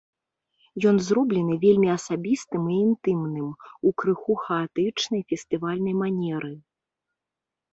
Ён зроблены вельмі асабістым і інтымным, у крыху хаатычнай фестывальнай манеры.